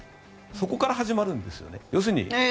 そこから始まるんですよね。